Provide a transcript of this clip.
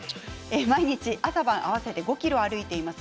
毎日、朝晩合わせて５ｋｍ歩いています。